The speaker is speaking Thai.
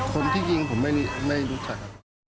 คนที่ยิงผมไม่รู้จัก